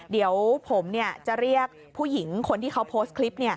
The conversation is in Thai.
เดี๋ยวผมจะเรียกผู้หญิงคนที่เขาโพสต์คลิป